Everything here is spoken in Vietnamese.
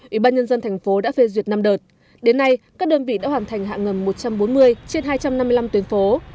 ủy ban nhân dân thành phố đã phê duyệt năm đợt đến nay các đơn vị đã hoàn thành hạ ngầm một trăm bốn mươi trên hai trăm năm mươi năm tuyến phố